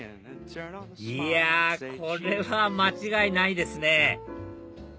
いやこれは間違いないですね！